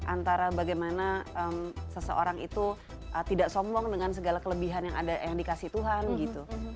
antara bagaimana seseorang itu tidak sombong dengan segala kelebihan yang dikasih tuhan gitu